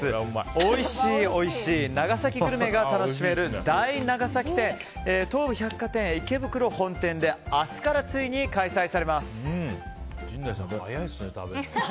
おいしいおいしい長崎グルメが楽しめる大長崎展、東武百貨店池袋本店で明日からついに開催されます。